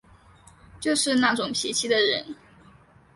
就是那种脾气的人